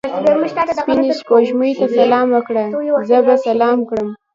سپینې سپوږمۍ ته سلام وکړه؛ زه به سلام کړم.